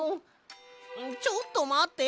ちょっとまって！